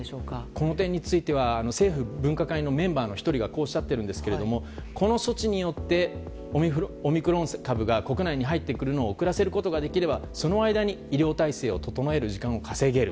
その点については政府分科会のメンバーの１人がおっしゃっているんですがこの措置によってオミクロン株が国内に入ってくるのを遅らせることができればその間に医療体制を整える時間を稼げる。